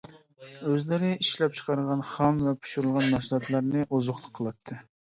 ئۆزلىرى ئىشلەپچىقارغان خام ۋە پىشۇرۇلغان مەھسۇلاتلارنى ئوزۇقلۇق قىلاتتى.